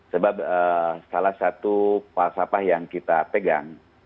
sebab salah satu falsafah yang kita pegang